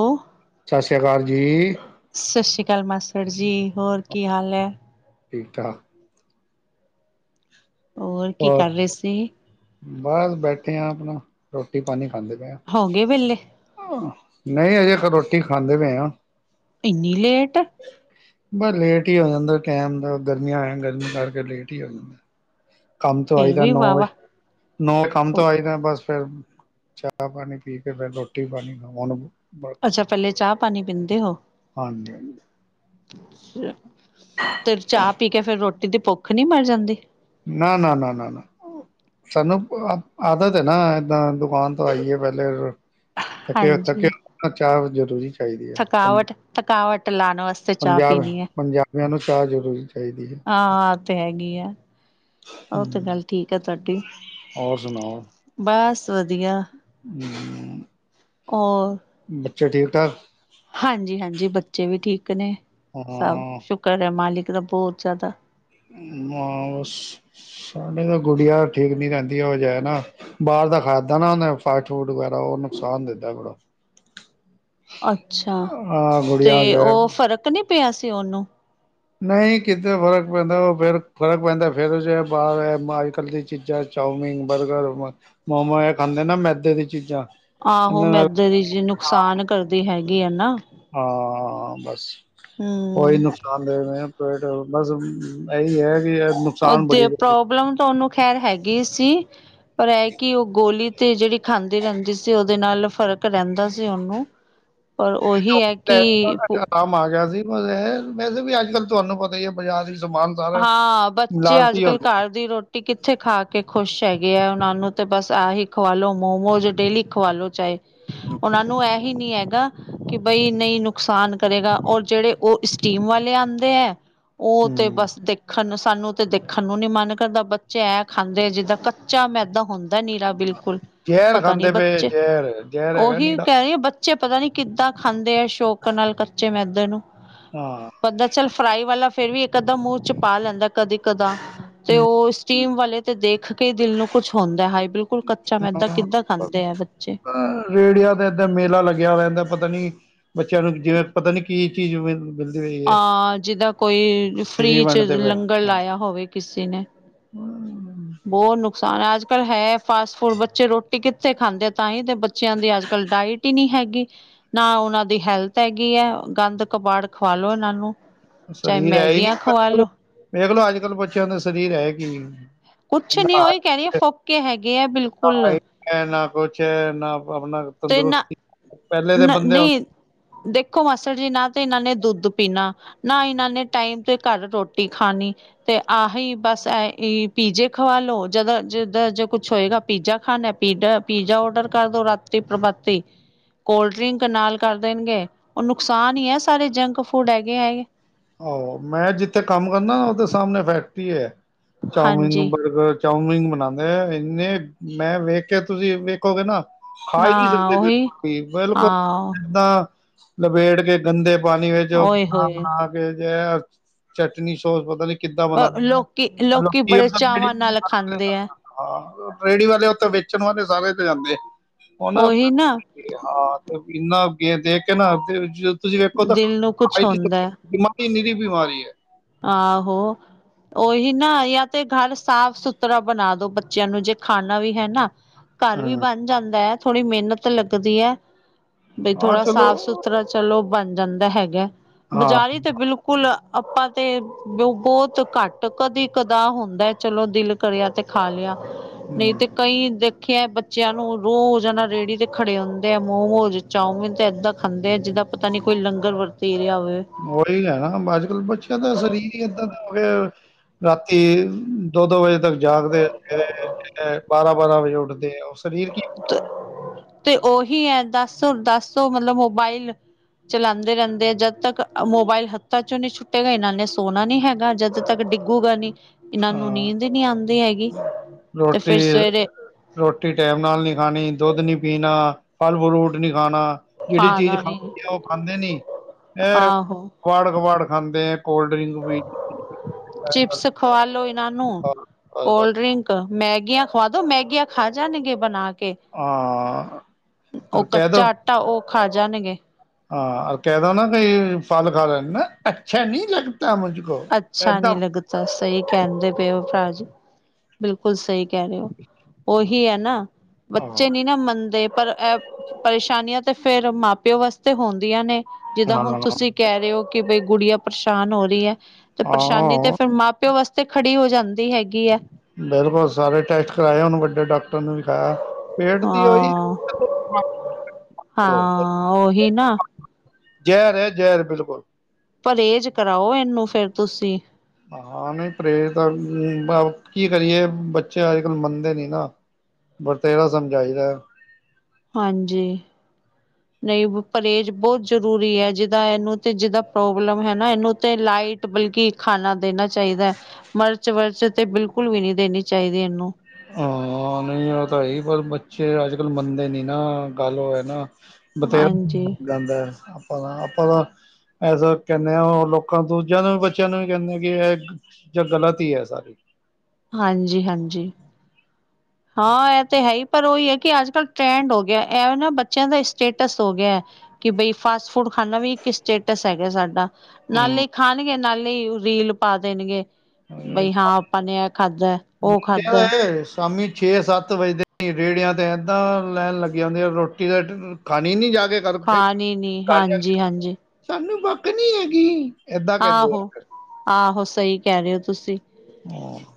ਉਹ। ਸਤਿ ਸ਼੍ਰੀ ਅਕਾਲ ਜੀ। ਸਸ ਸ੍ਰੀ ਕਾਲ ਮਾਸੜ ਜੀ, ਹੋਰ ਕੀ ਹਾਲ ਐ। ਠੀਕ ਠਾਕ। ਹੋਰ ਕੀ ਕਰ ਰੇ ਸੀ। ਬਸ ਬੈਠੇ ਹਾਂ ਆਪਣਾ ਰੋਟੀ ਪਾਣੀ ਖਾਂਦੇ ਪੇ ਆਂ। ਹੋਗੇ ਵੇਹਲੇੇ? ਊਂ ਨਹੀਂ ਅਜੇ ਰੋਟੀ ਖਾਂਦੇ ਪੇ ਆਂ। ਇੰਨੀ ਲੇਟ ਬਸ ਲੇਟ ਈ ਹੋ ਜਾਂਦਾ ਟੈਮ ਦਾ ਗਰਮੀਆਂ ਹੈ ਗਰਮੀ ਕਰਕੇ ਲੇਟ ਈ ਹੋ ਜਾਂਦਾ। ਕੰਮ ਤੋਂ ਫੇਰ ਆਈਦੈ ਵੀ ਨੌ ਵਾਹ ਵਜੇ, ਵਾਹ ਨੌ ਵਜੇ ਕੰਮ ਤੋਂ ਆਈਦੈ ਬਸ ਫੇਰ ਚਾਹ ਪਾਣੀ ਪੀ ਕੇ ਫੇਰ ਰੋਟੀ ਪਾਣੀ ਖਾਵਾਂ ਅੱਛਾ, ਪੈਲੇ ਚਾਹ ਪਾਣੀ ਪੀਂਦੇ ਓ। ਹਾਂਜੀ ਤੇ ਚਾਹ ਪੀ ਕੇ ਫੇਰ ਰੋਟੀ ਦੀ ਭੁੱਖ ਨੀ ਮਰ ਜਾਂਦੀ। ਨਾ ਨਾ ਨਾ ਨਾ ਨਾ ਸਾਨੂੰ ਆਦਤ ਐ ਨਾ ਏਦਾਂ ਦੁਕਾਨ ਤੋਂ ਆਈਏ ਪੈਲੇ ਅੱਕਿਆ ਹਾਂਜੀ ਥੱਕਿਆ ਚਾਹ ਜਰੂਰੀ। ਚਾਹੀਦੀ ਐ। ਥਕਾਵਟ ਥਕਾਵਟ ਲਾਉਣ ਵਾਸਤੇ ਚਾਹ ਪੰਜਾਬ ਪੀਣੀ ਹੈ ਪੰਜਾਬ ਮੈਨੂੰ ਚਾਹ ਜ਼ਰੂਰੀ ਚਾਹੀਦੀ ਏ। ਆ ਤੇ ਹੈਗੀ ਐ। ਉਹ ਤੇ ਗੱਲ ਠੀਕ ਐ ਤਾਡੀ, ਹੋਰ ਬਸ ਵਧੀਆ। ਹੂੰ। [unintelligible] ਹੋਰ। ਬੱਚੇ ਠੀਕ-ਠਾਕ। ਹਾਂਜੀ ਹਾਂਜੀ, ਬੱਚੇ ਵੀ ਠੀਕ ਨੇ, ਸਭ ਹਾਂ ਸ਼ੁਕਰ ਐਂ ਮਾਲਿਕ ਦਾ ਬਹੁਤ ਜਾਦਾ। [unintelligible] ਸਾਡੀ ਤੇ ਗੁੜੀਆਂ ਠੀਕ ਨੀ ਰਹਿੰਦੀ ਉਹ ਜੈ ਨਾ। ਬਾਹਰ ਦਾ ਖਾਂਦਾ ਨਾ ਉਹਨੇ ਫਾਸਟ ਫੂਡ ਵਗੈਰਾ ਉਹ ਨੁਕਸਾਨ ਦਿੰਦੈ ਬੜਾ। ਅੱਛਾ ਹਾਂ ਤੇ ਗੁੜੀਆਂ ਜੋ ਹੈ ਉਹ ਫ਼ਰਕ ਨੀ ਪਿਆ ਸੀ ਉਹਨੂੰ। ਨਈ ਕਿਤੇ ਫਰਕ ਪੈਂਦੈ ਉਹ ਫੇਰ ਫਰਕ ਪੈਂਦੈ ਫੇਰ ਜੇ ਬਾਹਰ ਅੱਜ ਕੱਲ੍ਹ ਦੀ ਚੀਜ਼ਾਂ ਚਾਉਮੀਨ, ਬਰਗਰ, ਮੋਮੋ ਇਹ ਖਾਂਦੇ ਨਾ ਮੈਦੇ ਦੀ ਚੀਜ਼ਾਂ। ਆਹੋ ਇਹਨਾਂ ਨਾਲ ਮੈਦੇ ਦੀ ਚੀਜ਼ ਨੁਕਸਾਨ ਕਰਦੀ ਹੈਗੀ ਐਂ ਨਾ। ਹਾਂ ਬਸ। ਹੂੰ। ਓਈ ਨੁਕਸਾਨ ਦੇਗੇ ਪੇਟ ਬਸ ਇਹੀ ਹੈ ਕਿ ਨੁਕਸਾਨ ਬੜੀ ਉਹਦੇ ਪ੍ਰੋਬਲਮ ਤੂਹਾਨੂੰ ਖੈਰ ਹੈਗੀ ਸੀ। ਪਰ ਇਹ ਕਿ ਉਹ ਗੋਲੀ ਤੇ ਜਿਹੜੀ ਖਾਂਦੀ ਰਹਿੰਦੀ ਸੀ ਉਹਦੇ ਨਾਲ ਫ਼ਰਕ ਰਹਿੰਦਾ ਸੀ ਉਹਨੂੰ। ਪਰ ਓਹੀ ਹੈ ਕਿ ਆਰਾਮ ਆ ਗਿਆ ਸੀ ਬਸ ਇਹ ਵੈਸੇ ਵੀ ਅੱਜ ਕੱਲ ਤੁਹਾਨੂੰ ਪਤੈ ਬਾਜਾਰ ਦੇ ਵਿੱਚ ਸਮਾਨ ਸਾਰਾ ਹਾਂ ਬੱਚੇ ਅੱਜ ਮਿਲਾਵਟੀ ਕੱਲ੍ਹ ਹੋੰਦੈ। ਘਰ ਦੀ ਰੋਟੀ ਕਿੱਥੇ ਖਾ ਕੇ ਖੁਸ਼ ਹੈਗੇ ਐ ਉਹਨਾਂ ਨੂੰ ਤੇ ਬਸ ਆਹੀ ਖਵਾ ਲੋ ਮੋਮੋਜ਼ ਡੇਲੀ ਖਵਾ ਲੋ ਚਾਹੇ। ਉਹਨਾ ਨੂੰ ਇਹੀ ਨੀ ਹੈਗਾ। ਕਿ ਬਈ ਨਈ ਨੁਕਸਾਨ ਕਰੇਗਾ ਔਰ ਜਿਹੜੇ ਉਹ ਸਟੀਮ ਵਾਲੇ ਆਂਦੇ ਐਂ। ਉਹ ਤੇ ਹੂੰ ਬਸ। ਦੇਖਣ ਨੂੰ ਸਾਨੂੰ ਤੇ ਦੇਖਣ ਨੂੰ ਨੀ ਮਨ ਕਰਦਾ, ਬੱਚੇ ਐ ਖਾਂਦੇ ਜਿੱਦਾਂ ਕੱਚਾ ਮੈਦਾ ਹੁੰਦੈ ਨੀਰਾ ਬਿਲਕੁਲ, ਜ਼ਹਿਰ ਪਤਾ ਨੀ ਖਾਂਦੇ ਪਏ ਬੱਚੇ ਜ਼ਹਿਰ ਜ਼ਹਿਰ ਹੈਗਾ ਉਹੀ ਨੀਰਾ ਕਹਿ ਰੀ ਬੱਚੇ ਬੱਚੇ ਪਤਾ ਨੀ ਕਿੱਦਾਂ ਖਾਂਦੇ ਐ, ਸ਼ੌਕ ਨਾਲ ਕੱਚੇ ਮੈਦੇ ਨੂੰ। ਆਂ। ਖਾਦਾ ਚੱਲ ਫਰਾਈ ਵਾਲਾ ਫੇਰ ਵੀ ਇੱਕ ਅੱਧਾ ਮੂੰਹ ਚ ਪਾ ਲੈਂਦੈ ਕਦੀ-ਕਦਾ, ਤੇ ਓਹ ਸਟੀਮ ਵਾਲੇ ਤੇ ਦੇਖ ਕੇ ਈ ਦਿਲ ਨੂੰ ਕੁੱਛ ਹੁੰਦੈ ਹਾਏ ਬਿਲਕ ਕੁਲ ਕੱਚਾ ਮੈਦਾ ਕਿੱਦਾਂ ਖਾਂਦੇ ਐ ਬੱਚੇ? ਰੇੜੀਆਂ ਤੇ ਏਦੇ ਮੇਲਾ ਲੱਗਿਆ ਲੈਂਦੈ, ਪਤਾ ਨੀ ਬੱਚਿਆਂ ਨੂੰ ਜਿਵੇਂ ਪਤਾ ਨੀ ਕੀ ਚੀਜ਼ ਵੇ। ਆਂ ਜਿਦਾਂ ਕੋਈ ਫਰੀ ਚ ਵੰਡਦੇ ਪਏ ਲੰਗਰ ਹਾਂ ਲਾਇਆ ਹੋਵੇ ਕਿਸੀ ਨੇ। [unintelligible] ਬੌਤ ਨੁਕਸਾਨ ਐ, ਅੱਜ ਕੱਲ੍ਹ ਹੈ ਫਾਸਟ-ਫੂਡ। ਬੱਚੇ ਰੋਟੀ ਕਿੱਥੇ ਖਾਂਦੇ ਐ, ਤਾਂਹੀ ਤੇ ਬੱਚ ਚਿਆਂ ਦੀ ਅੱਜ-ਕੱਲ ਡਾਇਟ ਈ ਨ੍ਹੀਂ ਹੈਗੀ। ਨਾ ਓਹਨਾਂ ਦੀ ਹੈਲਥ ਹੈਗੀ ਐਂ। ਗੰਦ ਕਬਾੜ ਖਵਾਲੋ ਐਹਨਾਂ ਨੂੰ। ਚਾਏ ਸਰੀਰ ਹੈ ਹੀ ਮੈਗੀਆਂ ਖਵਾ ਨੀ ਲੋ। ਵੇਖਲੋ ਅੱਜ-ਕੱਲ ਬੱਚਿਆਂ ਦਾ ਸਰੀਰ ਹੈ ਕੀ ਏ। ਕੁਛ ਨੀ, ਓਈ ਕੈ ਰੀ ਆ ਫੋਕੇ ਹੈਗੇ ਐ ਬਿਲਕੁਲ। ਐ ਨਾ ਕੁਛ ਨਾ ਅਪਣਾ ਤੇ ਨਾ, ਨ ਨਹੀਂ ਦੇਖੋ ਮਾਸੜ ਜੀ, ਨਾ ਤੇ ਇਹਨਾਂ ਨੇ ਦੁੱਧ ਪੀਣਾ ਨਾ ਇਹਨਾਂ ਨੇ ਟਾਈਮ ਤੇ ਘਰ ਰੋਟੀ ਖਾਣੀ। ਤੇ ਆਹੀ ਬਸ ਐ ਏ ਪੀਜ਼ੇ ਖਵਾ ਲੋ ਜਦੋਂ ਜਿੱਦਾ ਜੇ ਕੁਛ ਹੋਏਗਾ ਪੀਜਾ ਖਾਣੈ। ਪੀਡਾ ਪੀਜ਼ਾ ਓਡਰ ਕਰ ਦੋ ਰਾਤੀ-ਪ੍ਰਬਾਤੀ। ਕੋਲਡ-ਡਰਿੰਕ ਨਾਲ ਕਰ ਦੇਣਗੇ, ਓਹ ਨੁਕਸਾਨ ਈ ਐ ਸਾਰੇ ਜੰਕ-ਫੂਡ ਹੈਗੇ ਹੈਗੇ। ਆਹੋ, ਮੈਂ ਜਿੱਥੇ ਕੰਮ ਕਰਨਾ ਨਾ ਓਹਦੇ ਸਾਮਣੇ ਫੈਕਟਰੀ ਐ। ਚਾਓਮੀਨ, ਹਾਂਜੀ ਬਰਗਰ ਚਾਓਮੀਨ ਬਣਾਦੇ ਐ, ਇਨੇ ਮੈਂ ਵੇਖ ਕੇ ਤੁਸੀਂ ਵੇਖੋਗੇ ਨਾ ਖਾ ਈ ਨੀ ਹਾਂ ਸਕਦੇ ਉਹੀ ਵੇਖਕੇ ਬਿਲਕੁਲ ਹਾਂ ਏਦਾਂ ਲਬੇੜ ਕੇ ਗੰਦੇ ਪਾਣੀ ਵੇਚ ਓ ਓਏ ਬਣਾ ਹੋਏ ਬਣਾ ਕੇ, ਜੇਅ ਚਟਨੀ ਸੋਸ ਪਤਾ ਨੀ ਕਿੱਦਾਂ ਬਣਾਦੇ ਨੇ ਲੋਕੀ ਲੋਕੀ ਮਤਲਬ ਬੜੇ ਚਾਵਾਂ ਨਾਲ ਖਾਂਦੇ ਹੈ [unintelligible] ਹਾਂ, ਰੇੜੀ ਵਾਲੇ ਓਥੇ ਵੇਚਣ ਵਾਲੇ ਸਾਰੇ ਈਤੇ ਜਾੰਦੇ, ਓਹ ਨਾ ਤੇ ਹਾਂ, ਤੇ ਇੰਨਾ ਗੇ ਦੇਖ ਕੇ ਨਾ ਜੋ ਤੁਸੀਂ ਵੇਖੋ ਤੋ ਦਿਲ ਨੂੰ ਖਾ ਕੁਛ ਈ ਨੀ ਹੁੰਦਾ ਹੈ। ਸਕਦੇ। ਬਿਮਾਰੀ ਨੀਰੀ ਬਿਮਾਰੀ ਐ। ਆਹੋ। ਓਹੀ ਨਾ ਯਾ ਤੇ ਘਰ ਸਾਫ-ਸੁਥਰਾ ਬਣਾ ਦੋ ਬੱਚਿਆਂ ਨੂੰ, ਜੇ ਖਾਣਾ ਵੀ ਹੈ ਨਾ। ਘਰ ਵੀ ਹਾਂ ਬਣ ਜਾਂਦੈ, ਥੋੜ੍ਹੀ ਮੇਨਤ ਲੱਗਦੀ ਐ। ਬਈ ਹਾਂ ਥੋੜਾ ਚਲੋ ਸਾਫ਼-ਸੁਥ ਤਰ੍ਹਾਂ ਚਲੋ ਬਣ ਜਾਂਦਾ ਹੈਗੈ। ਹਾਂ ਬਜ਼ਾਰੀ ਤਾਂ ਬਿਲਕੁਲ ਅਪਾਂ ਤੇ ਬੇ ਬੌਤ ਘੱਟ, ਕਦੀ-ਕਦਾ ਹੁੰਦੈ ਚਲੋ ਦਿਲ ਕਰਿਆ ਤੇ ਖਾ ਲਿਆ। ਨਹੀਂ ਤੇ ਹਮ ਕਈ ਦੇਖ ਖੇ ਐ ਬੱਚਿਆਂ ਨੂੰ, ਰੋਜ਼ ਐਨਾ ਰੇੜੀ ਤੇ ਖੜੇ ਹੁੰਂਦੇ ਐ। ਮੋਮੋਜ਼, ਚਾਓਮਿਨ ਤੇ ਐਦਾਂ ਖਾਂਦੇ ਐ ਜਿੱਦਾਂ ਪਤਾ ਨੀ ਕੋਈ ਲੰਗਰ ਵਰਤੀ ਰਿਆ ਹੋਵੇ। ਮੋਰੀ ਲੈ ਰਾ ਅੱਜਕੱਲ੍ਹ ਬੱਚਿਆਂ ਦਾ ਸਰੀਰ ਈ ਐਦਾਂ ਦਾ ਹੋ ਗਿਐ ਰਾਤੀ ਦੋ-ਦੋ ਵਜੇ ਤੱਕ ਜਾਗਦੇ ਰੈੰਦੇ ਨੇ। ਸਵੇਰੇ ਬਾਰਾਂ-ਬਾਰਾਂ ਵਜੇ ਉੱਠਦੇ ਐ। ਓ ਸਰੀਰ ਕੀ ਤ, ਤੇ ਓਹੀ ਐ ਦਸ ਦਸ ਓ ਮਤਲਬ ਮੋਬਾਈਲ ਚਲਾਦੇ ਰੈੰਦੇ ਐ। ਜਦ ਤਕ ਮੋਬਾਇਲ ਹੱਥਾਂ ਚੋਂ ਨੀ ਛੁਟੇਗਾ ਇਹਨਾਂ ਨੇ ਸੋਣਾ ਨੀ ਹੈਗਾ। ਜਦ ਤੱਕ ਡਿੱਗ ਗੂ ਗਾ ਨੀ ਇਹਨਾਂ ਨੂੰ ਹਾਂ ਨੀਂਦ ਈ ਨੀ ਆਂਦੀ ਹੈਗੀ। ਤੇ ਫਿਰ ਰੋਟੀ ਸਵੇਰੇ ਰੋਟੀ ਟੈਮ ਨਾਲ ਨੀ ਖਾਣੀ, ਦੋਧ ਨੀ ਪੀਣਾ, ਫਲ-ਫਰੂਟ ਨੀਂ ਖਾਣਾ‌ ਜੇੜੀ ਚੀਜ਼ ਖਾਣਾ ਖਾਣ ਨੀ ਦੀ ਐ, ਓਹ ਖਾਂਦੇ ਨੀ। ਏਹ ਆਹੋ ਕੁਆੜ ਕਬਾੜ ਖਾਂਦੇ ਐ, ਕੋਲਡ ਡਰਿੰਕ ਵੀ। ਚਿਪਸ ਖਵਾ ਲੋ ਇਹਨਾਂ ਨੂੰ, ਕੋਲਡ-ਡ੍ਰਿੰਕ ਮੈਗੀਆਂ ਖਵਾ ਦੋ ਮੈਗੀਆਂ ਖਾ ਜਾਨਗੇ ਬਨਾ ਕੇ। ਉ ਕੱਚਾ ਆਟਾ ਉ ਖਾ ਜਾਨਗੇ। ਹਾਂ ਕੈ ਦੋ ਨਾ ਵੀ ਫਲ ਖਾ ਲੈਣ, ਨਾ ਅੱਛਾ ਨੀ ਲੱਗਤਾ ਮੁਝ ਅੱਛਾ ਨੀ ਲੱਗਤਾ ਈ ਕੈਂਦੇ ਪਏ ਓ ਭਰਾਜੀ, ਬਿਲਕੁਲ ਸਈ ਕੈ ਰੇ ੳ। ਉਹੀ ਏ ਨਾ ਬੱਚੇ ਨੀ ਹਾਂ ਨਾ ਮੰਨਦੇ ਪਰ ਐ ਪਰੇਸ਼ਾਨੀਆਂ ਤੇ ਫੇਰ ਮਾਂ ਪਿਓ ਵਾਸਤੇ ਹੁੰਦੀਆਂ ਨੇ ਜਿੱਦਾਂ ਨਾ ਹੁਨ ਨਾ ਨਾ, ਤੁਸੀਂ। ਕੈ ਰੇ ੳ ਕਿ ਬਈ ਗੁਡੀਆਂ ਪਰੇਸ਼ਾਨ ਹੋ ਰੀ ਐ ਤੇ ਪਰੇਸ਼ਾਨੀ ਤੇ ਹਾਂ ਫੇਰ ਮਾਂ ਵਾਸਤੇ ਖੜੀ ਹੋ ਜਾਂਦੀ ਹੈਗੀ ਐ। ਬਿਲਕੁਲ ਸਾਰੇ ਟੈਸਟ ਕਰਾਏ ਉਨੂੰ ਵੱਡੇ ਡਾਕਟਰ ਨੂੰ ਵਿਖਾਐ। ਪੇਟ ਦੀ ੳਈ ਹਾਂ ਹਾਂ ਉਹੀ ਨਾ [inaudible] ਜੈਰ ਏ ਜੈਰ ਬਿਲਕੁਲ। ਪਰੇਜ਼ ਕਰਾਓ ਏਨੂੰ ਫੇਰ ਤੁਸੀਂ। ਹਾਂ ਨੀ ਪਰੇਜ਼ ਦਾ ਵੀ ਕੀ ਕਰੀਏ ਬੱਚੇ ਅੱਜ ਕੱਲ੍ਹ ਮੰਨਦੇ ਨੀ ਨਾ। ਬਥੇਰਾ ਸਮਝਈਦੈ। ਹਾਂਜੀ। ਨਈ ਪਰਹੇਜ਼ ਬੋਤ ਜ਼ਰੂਰੀ ਏ ਜਿੱਦਾਂ ਇਨੂੰ ਤੇ ਜ਼ਿੱਦਾ ਪ੍ਰੋਬਲਮ ਹੈ ਨਾ ਏਨੂੰ ਤੇ ਲਾਈਟ ਬਲਕਿ ਖਾਨਾ ਦੇਨਾ ਚਾਈਦੈ। ਮਰਚ ਵਰਚ ਤੇ ਬਿਲਕੁਲ ਵੀ ਨੀ ਦੇਨੀ ਚਾਈਦੀ ਇਨੂੰ। ਹਾਂ ਹਾਂ ਨਈ ਉ ਤਾਂ ਹੈਈ, ਪਰ ਬੱਚੇ ਅੱਜ ਕੱਲ ਮੰਨਦੇ ਨੀ ਨਾ ਗੱਲ ਉ ਐ ਨਾ। ਹਾਂਜੀ ਬਥੇਰਾ ਗਾਂਦੈ ਆਪਾਂ ਤਾਂ ਐਸਾ ਕੈਨੇ ਆ ਲੋਕਾਂ ਦੂਜਿਆਂ ਨੂੰ ਵੀ ਬੱਚਿਆਂ ਨੂੰ ਵੀ ਕੈਨੇ ਕਿ ਐ। ਜਾ ਗ਼ਲਤ ਈ ਐ ਸਾਰੀ। ਹਾਂਜੀ-ਹਾਂਜੀ। ਹਾਂ ਐ ਤੇ ਹੈ ਈ ਪਰ ਉਹੀ ਹੈ ਕਿ ਅੱਜ ਕੱਲ੍ਹ ਟਰੈਂਡ ਹੋ ਗਿਆ। ਐ ਵੇ ਨਾ ਬੱਚਿਆਂ ਦਾ ਸਟੇਟਸ ਹੋ ਗਿਆ। ਕਿ ਬਈ ਫਾਸਟ ਫੂਡ ਖਾਨਾ ਵੀ ਸਟੇਟਸ ਹੈਗਾ ਸਾਡਾ। ਨਾਲੇ ਹੂੰ ਈ ਖਾਨਗੇ ਨਾਲੇ ਈ ਰੀਲ ਪਾ ਦੇਨਗੇ। ਬਈ ਹਾਂ ਆਪਾਂ ਨੇ ਐ ਖਾਧੈ, ਉ ਕਿਹਾ ਖਾਧੈ। ਇਹ ਸ਼ਾਮੀ ਛੇ ਸੱਤ ਵਜਦੇ ਈ ਰੇੜਿਆਂ ਤੇ ਐਦਾਂ ਲੈਨ ਲੱਗ ਜਾਂਦੀ ਆ ਰੋਟੀ ਤਾਂ ਖਾਨੀ ਨੀ ਜਾ ਕੇ। ਕਰ ਫਿਰ ਖਾਨੀ ਨੀ ਘਰ ਜਾ ਕੇ ਹਾਂਜੀ-ਹਾਂਜੀ। ਸਾਨੂੰ ਭੋਕ ਨੀਂ ਹੈਗੀ। ਏਦਾਂ ਕਹਿੰਦੇ ਆ ਆਹੋ-ਆਹੋ ਸਈ ਕੈ ਰੇ ੳ ਤੁਸੀਂ। ਹਾਂ।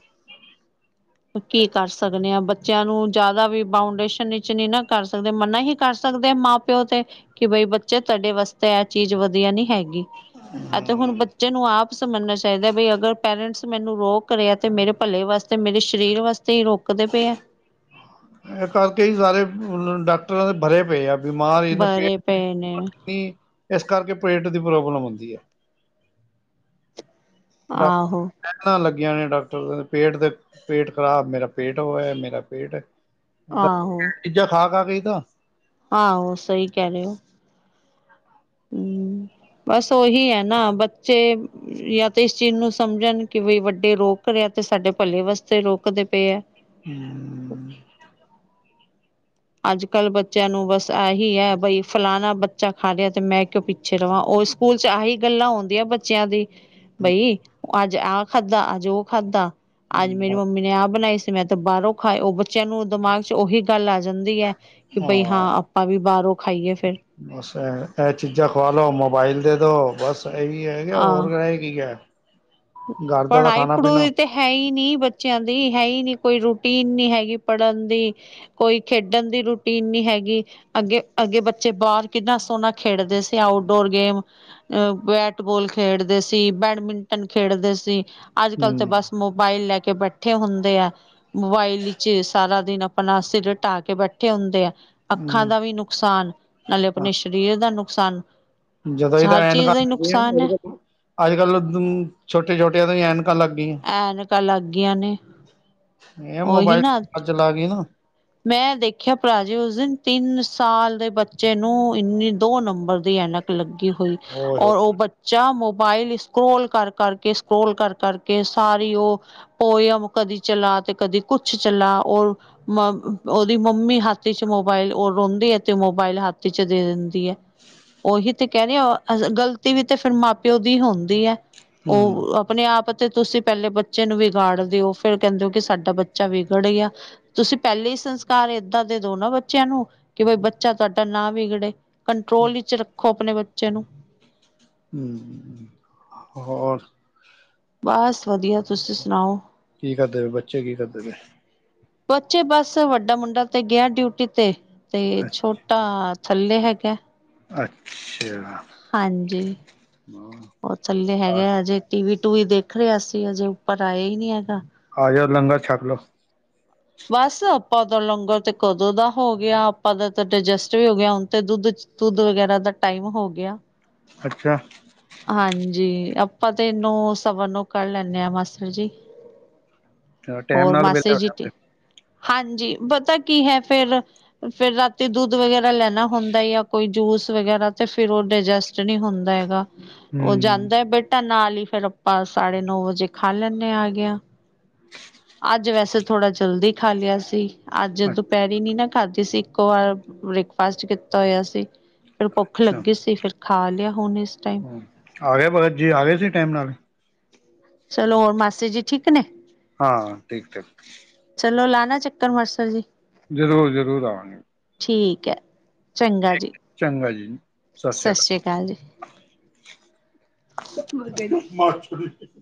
ਕੀ ਕਰ ਸਕਨੇ ਆਂ ਬੱਚਿਆਂ ਨੂੰ ਜਾਦਾ ਵੀ ਬਾਊਂਡੇਸ਼ਨ ਵਿਚ ਨਈ ਨਾ ਕਰ ਸਕਦੇ ਮਨਾ ਹੀ ਕਰ ਸਕਦੇ ਮਾਂ ਪਿਓ ਤੇ ਕਿ ਬਈ ਬੱਚੇ ਤੁਹਾਡੇ ਵਾਸਤੇ ਐ ਚੀਜ਼ ਵਧੀਆ ਨੀ ਹੈਗੀ। [inaudible] ਤੇ ਹੁਨ ਬੱਚੇ ਨੂੰ ਆਪ ਸਮਝਨਾ ਚਾਈਦੈ ਬਈ ਅਗਰ ਪੇਰੈਂਟਸ ਮੈਨੂੰ ਰੋਕ ਰਏ ਆ ਤੇ ਮੇਰੇ ਭਲੇ ਵਾਸਤੇ ਮੇਰੇ ਸਰੀਰ ਵਾਸਤੇ ਈ ਰੋਕਦੇ ਪਏ ਐ। ਐ ਕਰਕੇ ਈ ਸਾਰੇ ਡਾਕਟਰਾਂ ਦੇ ਭਰੇ ਪਏ ਆ। ਬਿਮਾਰ ਈ ਬਰੇ ਪੇਟ ਪਏ ਨੇ [unintelligible] ਏਸ ਕਰਕੇ ਪੇਟ ਦੀ ਪ੍ਰੋਬਲਮ ਏ। ਆਹੋ। ਲੈਨਾ ਲੱਗੀਆਂ ਨੇ ਡਾਕਟਰ ਦੇ ਪੇਟ ਤੇ ਪੇਟ ਖ਼ਰਾਬ ਮੇਰਾ ਪੇਟ ੳ ਏ ਮੇਰਾ ਪੇਟ ਏ। ਆਹੋ। ਚੀਜਾ ਖਾ-ਖਾ ਕੇ ਈ ਤਾਂ। ਆਹੋ ਸਈ ਕੈ ਰੇ ੳ। ਹੂੰ। ਬਸ ਉਹੀ ਐ ਨਾ, ਬੱਚੇ ਯਾਂ ਤੇ ਇਸ ਚੀਜ਼ ਨੂੰ ਸਮਝਣ ਕਿ ਬਈ ਵੱਡੇ ਰੋਕ ਕ ਰੇ ਆ ਤੇ ਸਾਡੇ ਭਲੇ ਵਾਸਤੇ ਰੋਕਦੇ ਪੇ ਐ। ਹੂੰ। ਅੱਜ ਕੱਲ੍ਹ ਬੱਚਿਆਂ ਨੂੰ ਬਸ ਐ ਹੀ ਐ, ਬਈ ਫਲਾਣਾ ਬੱਚਾ ਖਾ ਲਿਆ ਤੇ ਮੈਂ ਕਿਉਂ ਪਿ ਛੇ ਰਵਾਂ। ਓ ਸਕੂਲ ਚ ਐਹੀ ਗੱਲਾਂ ਹੋਂਦੀਆਂ ਬੱਚਿਆਂ ਦੀ, ਬਈ ਅੱਜ ਆ ਖਾਧਾ, ਅੱਜ ਓ ਖਾਧਾ, ਅੱਜ ਮੇਰੀ ਮੰਮੀ ਨੇ ਆ ਬਨਾਈ ਸੀ, ਮੈਂ ਤਾਂ ਬਾਅਰੋਂ ਖਾਏ ਓ ਬੱ ਬੱਚਿਆਂ ਨੂੰ ਦਿਮਾਗ ਚ ਓਹੀ ਗੱਲ ਆ ਜਾਂਦੀ ਐ ਕਿ ਬਈ ਹਾਂ ਆਪਾਂ ਵੀ ਬਾਆਰੋਂ ਖਾਈਏ ਫੇਰ। ਬਸ ਐ, ਐ ਚੀਜ਼ਾਂ ਖਵਾ ਲੋ, ਮੋਬਾਈਲ ਦੇ ਦੋ ਬਸ ਐਹੀ ਰੈ ਗਿਆ ਹੋਰ ਰੈ ਕਿ ਗਿਆ। ਪੜਾਈ- ਪੂੜਈ ਤੇ ਹੈ ਈ ਨੀ ਬੱਚਿਆਂ ਦੀ, ਹੈ ਈ ਨੀ, ਕੋਈ ਰੂਟੀਨ ਨੀ ਹੈਗੀ ਪੜ੍ਹਨ ਦੀ, ਕੋਈ ਖੇਡਨ ਦੀ ਰੂਟੀਨ ਨੀ ਹੈਗੀ। ਅੱਗੇ- ਅੱਗੇ ਬੱਚੇ ਬਾਅਰ ਕਿੰਨਾ ਸੋਣਾ ਖੇਡਦੇ ਸੀ ਆਊਟਡੋਰ ਗੇਮ ਅ ਬੈਟ ਬੋਲ ਖੇਡਦੇ ਸੀ, ਬੈਡਮਿੰਟਨ ਖੇਡਦੇ ਸੀ, ਤੇ ਅੱਜ ਕੱਲ ਤੇ ਹਮ ਬਸ ਮੋਬਾਇਲ ਲੈ ਕੇ ਬੈਠੇ ਹੁੰਦੇ ਐ। ਮੋਬਾਈਲ ਇਚ ਸਾਰਾ ਦਿਨ ਅਪਣਾ ਸਿਰ ਢਾਅ ਕੇ ਬੈਠੇ ਹੁੰਦੇ ਐ। ਅੱਖਾਂ ਦਾ ਹਮ ਵੀ ਨੁਕਸਾਨ, ਨਾਲੇ ਅਪਨੇ ਸ਼ਰੀਰ ਦਾ ਨੁਕਸਾਨ। ਜਦੋਂ ਹੀ ਤਾਂ ਹਰ ਚੀਜ਼ ਐਨਕਾਂ ਦਾ ਹੀ ਨੁਕਸਾਨ ਹੈ [inaudible] ਅੱਜ ਕੱਲ੍ਹ ਤੂੰ ਛੋਟੇ-ਛੋਟਿਆਂ ਤੋਂ ਈ ਐਨਕਾਂ ਲੱਗ ਗਈਆਂ। ਐਨਕਾਂ ਲੱਗ ਗਈਆਂ ਨੇ। ਏ ਉਹੀ ਮੋਬਾਇਲ ਨਾ ਚਲਾ-ਚਲਾ ਕੇ ਨਾ। ਮੈਂ ਦੇਖਿਆ ਭਰਾ ਜੀ ਉਸ ਦਿਨ ਤਿੰਨ ਸਾਲ ਦੇ ਬੱਚੇ ਨੂੰ ਇਨੀ ਦੋ ਨੰਬਰ ਦੀ ਐਨਕ ਲੱਗੀ ਹੋਈ ਓਏ ਹੋ ਔਰ ਓ ਬੱ ਚਾ ਮੋਬਾਇਲ ਸਕਰੋਲ ਕਰ-ਕਰਕੇ, ਸਕਰੋਲ ਕਰ-ਕਰਕੇ ਸਾਰੀ ਓ ਪੋਇਮ ਕਦੀ ਚਲਾ ਤੇ ਕਦੀ ਕੁਛ ਚਲਾ ਔਰ ਮ ਓਦੀ ਮੰਮੀ ਹੱਥ ਚ ਮੋਬਾਇਲ ਓ ਰੋਂਦੀ ਐ ਤੇ ਮੋਬਾਇਲ ਹੱਥ ਚ ਦੇ ਦਿੰਦੀ ਐ। ਓਹੀ ਤੇ ਕੈ ਰੀ ਆ, ਗ਼ਲਤੀ ਵੀ ਤੇ ਫੇਰ ਮਾਂ- ਪਿਉ ਦੀ ਹੁੰਦੀ ਐ, ਓ ਹੂੰ ਅ ਅਪਣੇ ਆਪ ਤੇ ਤੁਸੀਂ ਪੈਲੇ ਬੱਚੇ ਨੂੰ ਵਿਗਾੜਦੇ ਓ ਫੇਰ ਕੈਂਦੇ ਓ ਕਿ ਸਾਡਾ ਬੱਚਾ ਵਿਗੜ ਗਿਆ। ਤੁਸੀਂ ਪੈਲੇ ਈ ਸੰਸਕਾਰ ਏਦਾਂ ਦੇ ਦੋ ਨਾ ਬੱਚਿਆਂ ਨੂੰ ਕਿ ਬਈ ਬੱਚਾ ਤੁਆਡਾ ਨਾ ਵਿਗੜੇ, ਕੰਟਰੋਲ ਇਚ ਰੱਖੋ ਅਪਣੇ ਬੱਚੇ ਨੂੰ। ਹੂੰ, ਹੋਰ? ਬਸ ਵਧੀਆ, ਤੁਸੀਂ ਸੁਨਾਓ? ਕੀ ਕਰਦੇ ਬੇ, ਬੱਚੇ ਕੀ ਕਰਦੇ ਬੇ? ਬੱਚੇ ਬਸ, ਵੱਡਾ ਮੁੰਡਾ ਤੇ ਗਿਆ ਡਿਊਟੀ ਤੇ, ਤੇ ਛੋਟਾ ਥੱਲੇ ਹੈਗਾ। ਅਛਾ, ਹੂੰ। ਓ ਥੱਲੇ ਹੈਗਾ ਹਜੇ ਟੀਵੀ- ਟੂਵੀ ਦੇਖ ਰਿਆ ਸੀ ਹਜੇ ਉੱਪਰ ਆਇਆ ਈ ਨੀ ਹੈਗਾ। ਆਜੋ ਲੰਗਰ ਛੱਕ ਲੋੋ। ਬਸ ਆਪਾਂ ਦਾ ਲੰਗਰ ਤੇ ਕਦੋਂ ਦਾ ਹੋ ਗਿਆ, ਆਪਾਂ ਦਾ ਤਾਂ ਡਾਇਜੈਸਟ ਵੀ ਹੋ ਗਿਆ, ਹੁਣ ਤੇ ਦੁੱਧ ਚ ਦੁੱਧ ਵਗੈਰਾ ਦਾ ਟਾਈਮ ਹੋ ਗਿਆ। ਅੱਛਾ। ਹਾਂਜੀ ਆਪਾਂ ਤੇ ਨੌ, ਸਵਾ ਨੌ ਕਰ ਲੈਂਨੇ ਆ ਮਾਸੜ ਜੀ। ਚਲੋ, ਟਾਈਮ ਹੋਰ ਨਾਲ ਵਿਹਲੇ ਮਾਸੀ ਹੋ ਜੀ ਠੀ ਜਾਂਦੇ ਹਾਂਜੀ। ਪਤਾ ਕੀ ਹੈ ਫੇਰ, ਫੇਰ ਰਾਤੀ ਦੁੱਧ ਵਗੈਰਾ ਲੈਣਾ ਹੁੰਦਾ ਯਾਂ ਕੋਈ ਜੂਸ ਵਗੈਰਾ ਤੇ ਫੇਰ ਓ ਡਾਇਜੈਸਟ ਨੀ ਹੁੰਦਾ ਹੈਗਾ ਓ ਜਾਂਦੈ ਹੂੰ ਬਟ ਤਾਂ ਨਾਲ ਹੀ ਫੇਰ ਆਪਾਂ ਸਾਢੇ ਨੌ ਵਜੇ ਖਾ ਲੈਨੇ ਹੈਗੇ ਆ। ਅੱਜ ਵੈਸੇ ਥੋੜਾ ਜਲਦੀ ਖਾ ਲਆ ਸੀ ਅੱਜ ਦੁਪਹਿਰੇ ਵੀ ਨਾ ਖਾਧੀ ਸੀ ਇੱਕੋ ਵਾਰ ਬ੍ਰੇਕਫਾਸਟ ਕੀਤਾ ਹੋਇਆ ਸੀ ਫਿਰ ਭੁੱਖ ਅੱਛਾ ਲੱਗੀ ਸੀ ਫਿਰ। ਖਾ ਲਿਆ ਹੁਨ ਇਸ ਟਾਈਮ। ਹੂੰ ਆ ਗਿਆ ਭਗਤ ਜੀ, ਆ ਗਿਆ ਸੀ ਟਾਈਮ ਨਾਲ। ਚਲੋ, ਮਾਸੀ ਜੀ ਠੀਕ ਨੇ। ਹਾਂ, ਠੀਕ- ਠਾਕ। ਚਲੋ, ਲਾਨਾ ਚੱਕਰ ਮਾਸਰ ਜੀ। ਜ਼ਰੂਰ - ਜ਼ਰੂਰ ਆਵਾਗੇ। ਠੀਕ ਅ, ਚੰਗਾ ਜੀ। ਚੰਗਾ ਜੀ, ਸਸ ਰਿਆ ਸਤਿ ਕਾਲ। ਸ੍ਰੀ ਅਕਾਲ ਜੀ [unintelligible]